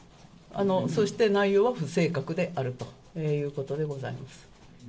そして内容は不正確であるということであります。